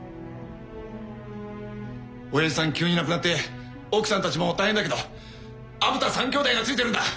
おやじさん急に亡くなって奥さんたちも大変だけど虻田三兄弟がついてるんだ。